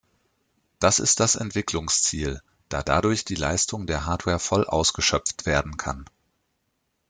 Das ist das Entwicklungsziel, da dadurch die Leistung der Hardware voll ausgeschöpft werden kann.